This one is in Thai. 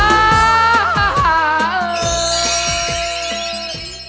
อะไรมั้ยครับ